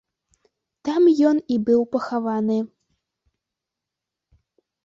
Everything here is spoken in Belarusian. Там ён і быў пахаваны.